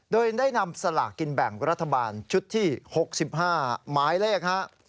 โดยได้นำสลากกินแบ่งรัฐบาลชุดที่๖๕หมายเลขฮะ